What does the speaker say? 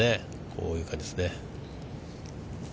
こういう感じですね。